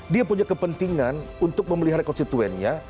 dia punya kepentingan untuk memelihara konstituennya